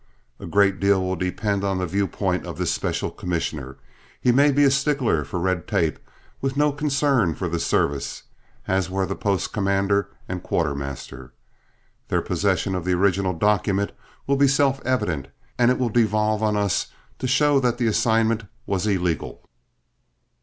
A great deal will depend on the viewpoint of this special commissioner; he may be a stickler for red tape, with no concern for the service, as were the post commander and quartermaster. Their possession of the original document will be self evident, and it will devolve on us to show that that assignment was illegal.